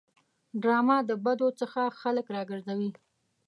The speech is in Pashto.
ډرامه د بدو څخه خلک راګرځوي